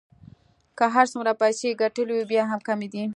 که هر څومره پیسې يې ګټلې وې بیا هم کمې دي.